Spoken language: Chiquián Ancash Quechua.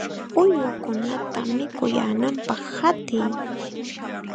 ¡Uywakunata mikuyaananpaq qatiy!